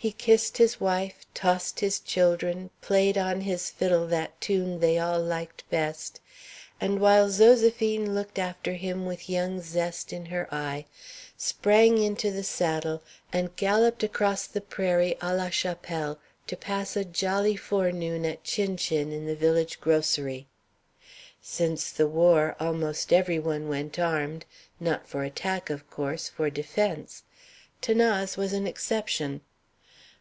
He kissed his wife, tossed his children, played on his fiddle that tune they all liked best, and, while Zoséphine looked after him with young zest in her eye, sprang into the saddle and galloped across the prairie à la chapelle to pass a jolly forenoon at chin chin in the village grocery. Since the war almost every one went armed not for attack, of course; for defence. 'Thanase was an exception.